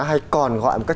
hay còn gọi một cách